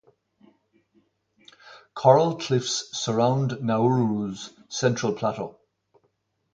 Coral cliffs surround Nauru's central plateau.